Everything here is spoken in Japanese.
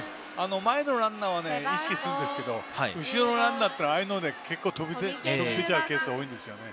前のランナーは意識するんですけど後ろのランナーというのはああいうので結構飛び出るケースあるんですよね。